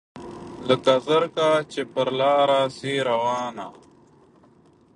لکه زرکه چي پر لاره سي روانه